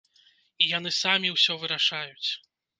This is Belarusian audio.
І яны самі ўсё вырашаюць.